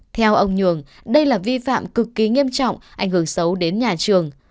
theo ông nhường đây là vi phạm cực kỳ nghiêm trọng ảnh hưởng xấu đến nhà trường